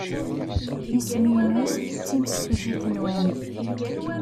Isem-nnes timsujjit-nwen?